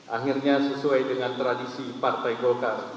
akhirnya sesuai dengan tradisi partai golkar